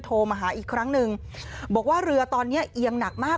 โทรมาหาอีกครั้งหนึ่งบอกว่าเรือตอนเนี้ยเอียงหนักมาก